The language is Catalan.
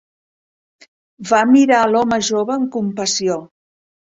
Va mirar a l'home jove amb compassió.